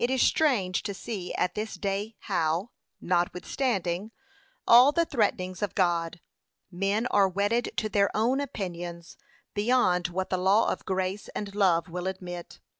'It is strange to see at this day how, notwithstanding, all the threatenings of God, men are wedded to their own opinions, beyond what the law of grace and love will admit.